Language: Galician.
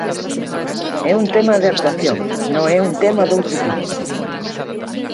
É un tema de actuación, non é un tema doutro tipo.